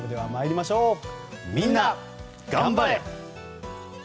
みんながん晴れ！